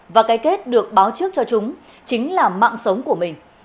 và cái kết được báo trước cho chúng chính là mạng sống của mình